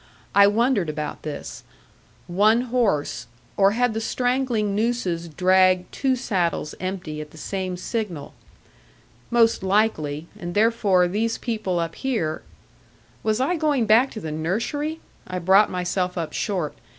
I wondered about this. One horse or had the strangling nooses dragged two saddles empty at the same signal? Most likely; and therefore these people up here Was I going back to the nursery? I brought myself up short.